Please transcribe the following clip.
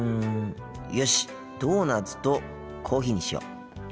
よしっドーナツとコーヒーにしよう。